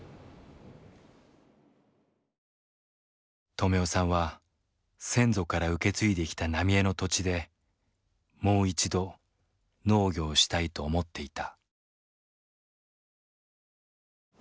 止男さんは先祖から受け継いできた浪江の土地でもう一度農業をしたいと思っていた。